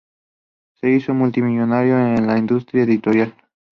Se hizo multimillonario en la industria editorial.